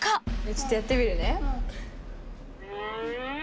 ちょっとやってみるね。